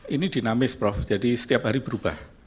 ini dinamis prof jadi setiap hari berubah